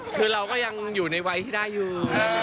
คือเราก็ยังอยู่ในวัยที่ได้อยู่